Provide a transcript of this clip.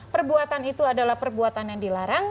perbuatan itu adalah perbuatan yang dilarang